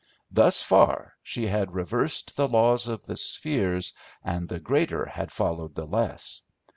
Thus far she had reversed the laws of the spheres, and the greater had followed the less.